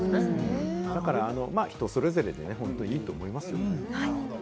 だから、人それぞれでね、ほんといいと思いますよ。